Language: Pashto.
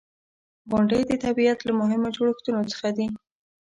• غونډۍ د طبیعت له مهمو جوړښتونو څخه دي.